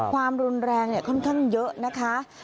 ความรุนแรงค่อนข้างเยอะนะคะ